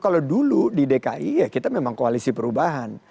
kalau dulu di dki ya kita memang koalisi perubahan